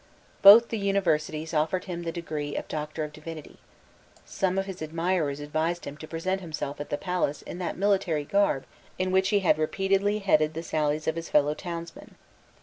Both the Universities offered him the degree of Doctor of Divinity. Some of his admirers advised him to present himself at the palace in that military garb in which he had repeatedly headed the sallies of his fellow townsmen.